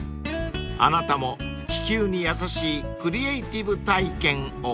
［あなたも地球に優しいクリエーティブ体験を］